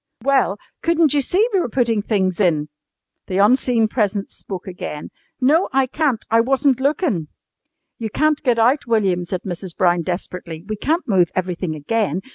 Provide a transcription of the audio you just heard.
"Well, couldn't you see we were putting things in?" The unseen presence spoke again. "No, I can't. I wasn't lookin'!" "You can't get out, William," said Mrs. Brown desperately. "We can't move everything again.